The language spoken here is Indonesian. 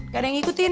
gak ada yang ngikutin